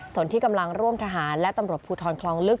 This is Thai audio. ส่วนที่กำลังร่วมทหารและตำรวจภูทรคลองลึก